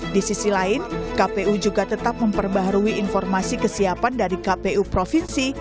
di sisi lain kpu juga tetap memperbaharui informasi kesiapan dari kpu provinsi